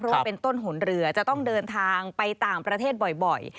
เพราะว่าเป็นต้นหนเรือจะต้องเดินทางไปต่างประเทศบ่อย